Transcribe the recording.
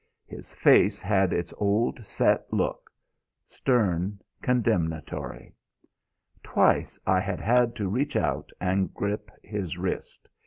His face had its old set look; stern, condemnatory. Twice I had had to reach out and grip his wrist.